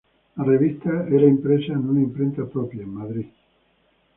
La revista era impresa en una imprenta propia, en Madrid.